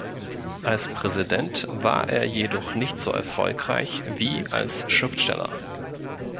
Als Präsident war er jedoch nicht so erfolgreich wie als Schriftsteller.